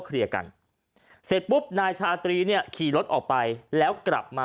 เคลียร์กันเสร็จปุ๊บนายชาตรีเนี่ยขี่รถออกไปแล้วกลับมา